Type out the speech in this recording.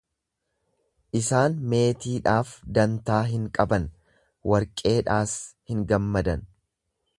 Isaan meetiidhaaf dantaa hin qaban, warqeedhaas hin gammadan.